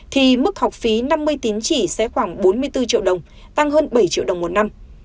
thì mức học phí năm mươi tín chỉ sẽ khoảng bốn mươi bốn triệu đồng tăng hơn bảy triệu đồng một năm